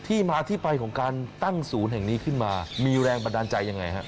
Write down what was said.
ที่มาที่ไปของการตั้งศูนย์แห่งนี้ขึ้นมามีแรงบันดาลใจยังไงฮะ